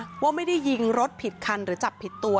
เธอก็บอกเลยว่าสมมุตินะว่าไม่ได้ยิงรถผิดคันหรือจับผิดตัว